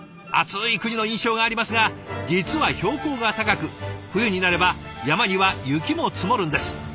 暑い国の印象がありますが実は標高が高く冬になれば山には雪も積もるんです。